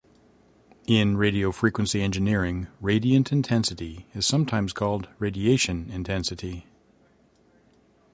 In radio-frequency engineering, radiant intensity is sometimes called radiation intensity.